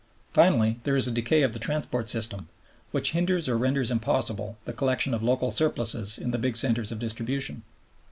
Finally, there is the decay of the transport system, which hinders or renders impossible the collection of local surpluses in the big centers of distribution.